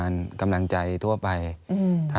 อันดับ๖๓๕จัดใช้วิจิตร